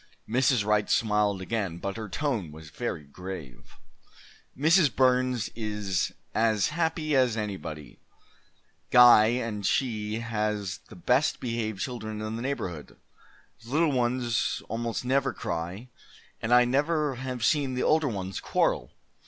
Mrs. Wright smiled again, but her tone was very grave. "Mrs. Burns is 'as happy as anybody,' Guy, and she has the best behaved children in the neighbourhood. The little ones almost never cry, and I never have seen the older ones quarrel.